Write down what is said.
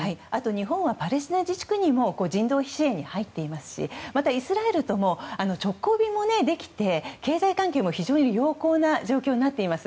日本はパレスチナ自治区にも人道支援に入っていますしまた、イスラエルとも直行便もできて経済関係も非常に良好な状況になっています。